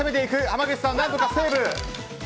濱口さん、何とかセーブ。